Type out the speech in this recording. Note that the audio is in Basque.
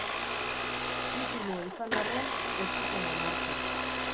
Titulua izan arren, ez zuten onartu.